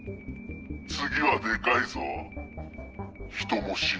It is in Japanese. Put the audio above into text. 次はデカいぞ人も死ぬ。